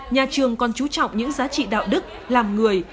nhà trường còn chú trọng những giá trị đạo đức làm người